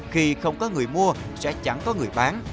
khi không có người mua sẽ chẳng có người bán